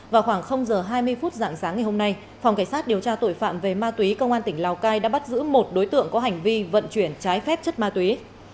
vào khoảng h hai mươi phút dạng sáng ngày hôm nay phòng cảnh sát điều tra tội phạm về ma túy công an tỉnh lào cai đã bắt giữ một đối tượng có hành vi vận chuyển trái phép chất ma túy